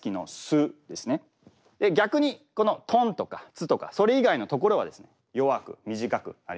逆にこの「とん」とか「つ」とかそれ以外の所はですね弱く短くなりますので。